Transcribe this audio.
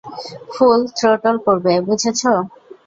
ফুল throttle করবে, বুঝেছো?